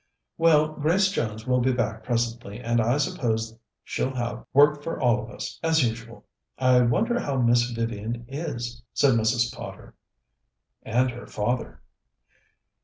"Well, Grace Jones will be back presently, and I suppose she'll have work for all of us, as usual. I wonder how Miss Vivian is," said Mrs. Potter. "And her father."